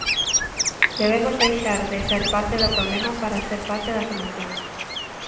Debemos deixar de ser parte do problema para ser parte da solución.